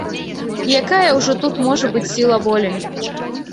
Якая ўжо тут можа быць сіла волі.